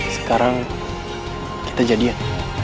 sekarang kita jadian